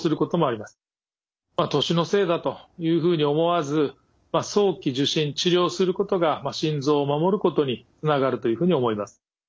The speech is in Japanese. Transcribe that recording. まあ年のせいだというふうに思わず早期受診治療することが心臓を守ることにつながるというふうに思います。